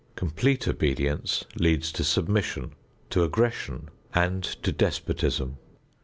Complete obedience leads to submission, to aggression and to despotism.